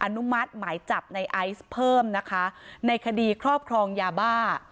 อนุมัติหมายจับในไอซ์เพิ่มนะคะในคดีครอบครองยาบ้า